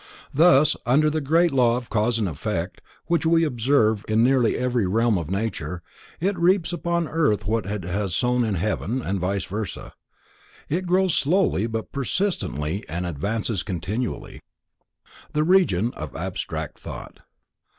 Thus, under the great law of cause and effect, which we observe in every realm of nature, it reaps upon earth what it has sown in heaven, and vice versa. It grows slowly but persistently and advances continually. _The Region of Abstract Thought.